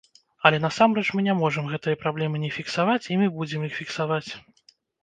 Але насамрэч мы не можам гэтыя праблемы не фіксаваць, і мы будзем іх фіксаваць.